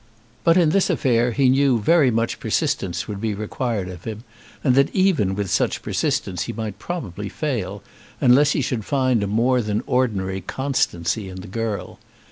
But in this affair he knew very much persistence would be required of him, and that even with such persistence he might probably fail, unless he should find a more than ordinary constancy in the girl.